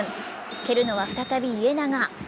蹴るのは再び家長。